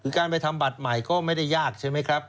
คือการไปทำบัตรใหม่ก็ไม่ได้ยากใช่ไหมครับ